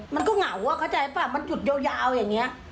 มันก็เหงาอะเข้าใจป่ะมันหยุดยาวอย่างนี้